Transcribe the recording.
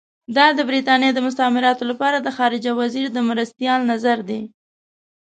دا د برټانیې د مستعمراتو لپاره د خارجه وزیر د مرستیال نظر دی.